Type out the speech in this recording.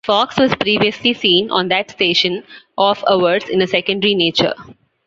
Fox was previously seen on that station off-hours in a secondary nature.